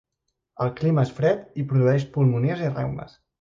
El clima és fred, i produeix pulmonies i reumes.